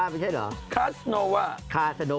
พูดเขาก็รู้สิ